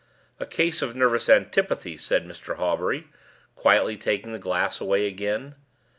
"A case of nervous antipathy," said Mr. Hawbury, quietly taking the glass away again.